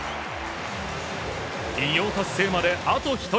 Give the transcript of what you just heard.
偉業達成まであと１人。